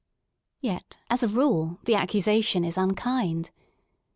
Yet as a rule the accusation is unkind.